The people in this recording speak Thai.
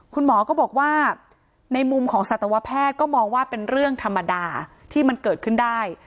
คุณหมอก็บอกว่าในมุมของสัตวแพทย์ก็มองว่าเป็นเรื่องธรรมดาที่มันเกิดขึ้นได้